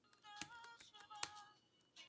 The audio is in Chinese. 结果由同属自由党的杨哲安胜出。